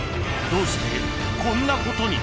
［どうしてこんなことに？］